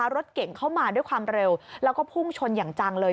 รถเก่งเข้ามาด้วยความเร็วแล้วก็พุ่งชนอย่างจังเลย